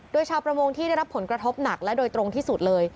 โดยชาวประมงที่ได้รับผลกระทบหนักและโดยตรงที่สุดเลย